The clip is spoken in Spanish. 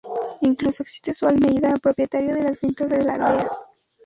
Incluso existe Su Almeida, propietario de las ventas de la aldea.